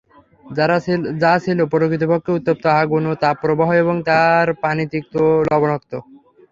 যা ছিল প্রকৃতপক্ষে উত্তপ্ত আগুন ও তাপ প্রবাহ এবং তার পানি তিক্ত ও লবণাক্ত।